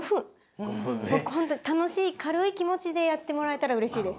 たのしいかるいきもちでやってもらえたらうれしいです。